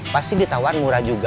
pasti ditawar murah juga